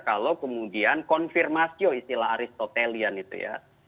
kalau kemudian konfirmasio istilah aristotelian itu ya